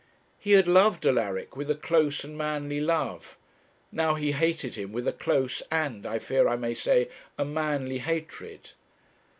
He had loved Alaric with a close and manly love; now he hated him with a close and, I fear I may say, a manly hatred.